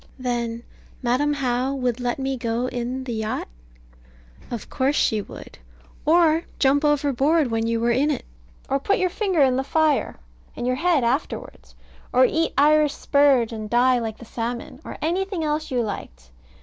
Then Madam How would let me go in the yacht? Of course she would, or jump overboard when you were in it; or put your finger in the fire, and your head afterwards; or eat Irish spurge, and die like the salmon; or anything else you liked.